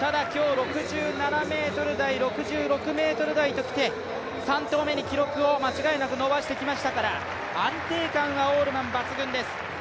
ただ今日、６７ｍ台６６ｍ台ときて、３投目に記録を間違いなく伸ばしてきましたから安定感はオールマン抜群です。